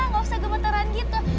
gak usah gemeteran gitu